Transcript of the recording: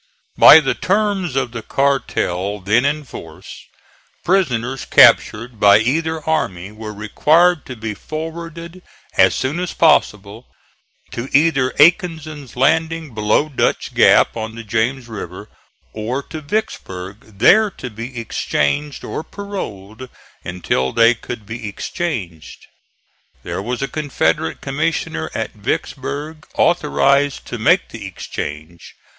By the terms of the cartel then in force, prisoners captured by either army were required to be forwarded as soon as possible to either Aiken's landing below Dutch Gap on the James River, or to Vicksburg, there to be exchanged, or paroled until they could be exchanged. There was a Confederate commissioner at Vicksburg, authorized to make the exchange.